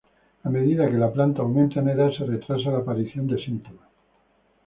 A medida que la planta aumenta en edad se retrasa la aparición de síntomas.